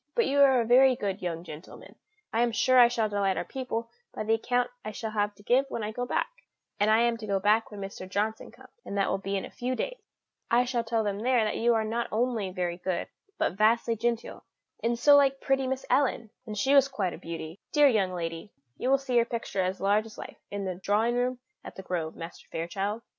But you are a very good young gentleman to be so attentive to your dear mamma; I am sure I shall delight our people by the account I shall have to give when I go back; and I am to go back when Mrs. Johnson comes, and that will be in a few days. I shall tell them there that you are not only very good, but vastly genteel, and so like pretty Miss Ellen and she was quite a beauty dear young lady! You will see her picture as large as life in the drawing room at The Grove, Master Fairchild."